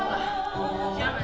jangan sampai kalah